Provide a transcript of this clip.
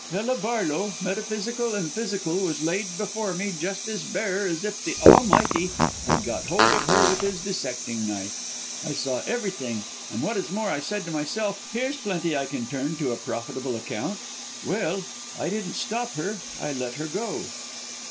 Ella Barlow, metaphysical and physical was laid before me just as bare as if the Almighty had got hold of her with his dissecting knife. I saw everything and what is more I said to myself here's plenty I can turn to a profitable account. Well! I didn't stop her I let her go."